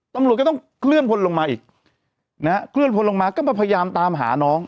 ตำรวจก็ต้องเคลื่อนพลลงมาอีกนะฮะเคลื่อนพลลงมาก็มาพยายามตามหาน้อง